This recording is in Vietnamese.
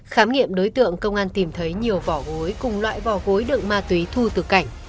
khám nghiệm đối tượng công an tìm thấy nhiều vỏ gối cùng loại vò gối đựng ma túy thu từ cảnh